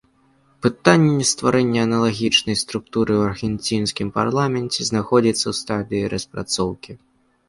Пытанне стварэння аналагічнай структуры ў аргенцінскім парламенце знаходзіцца ў стадыі распрацоўкі.